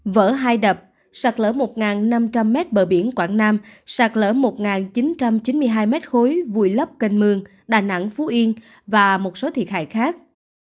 vỡ hai đập sạc lỡ một năm trăm linh mét bờ biển quảng nam sạc lỡ một chín trăm chín mươi hai mét khối vùi lấp cành mương đà nẵng phú yên và một số thiệt hại khác